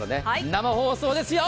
生放送ですよ！